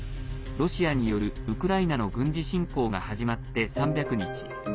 ロシアによるウクライナの軍事侵攻が始まって３００日。